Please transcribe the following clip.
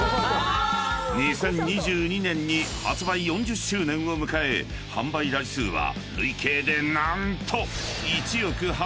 ［２０２２年に発売４０周年を迎え販売台数は累計で何と］